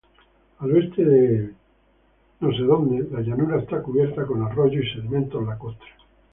Al oeste de Twin Falls, la llanura esta cubierta con arroyos y sedimentos lacustres.